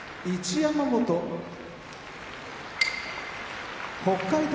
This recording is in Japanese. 山本北海道